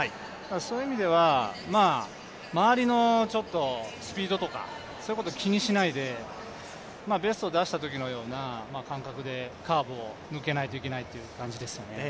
そういう意味では周りのスピードとかいうことを気にしないでベストを出したときのような感覚でカーブを抜けないといけないという感覚ですね。